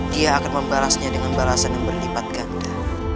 dia akan membalasnya dengan balasan yang berlipat ganda